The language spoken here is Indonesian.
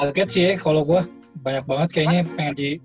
kaget sih kalau gue banyak banget kayaknya pengen di